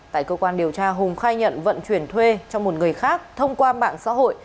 tại cơ quan điều tra hùng khai nhận vận chuyển thuê cho một người khác thông qua mạng xã hội